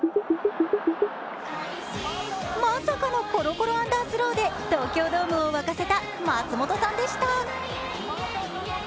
まさかのコロコロアンダースローで東京ドームをわかせた松本さんです他。